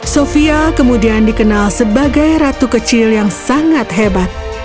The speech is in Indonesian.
sofia kemudian dikenal sebagai ratu kecil yang sangat hebat